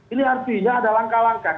ini artinya ada langkah langkah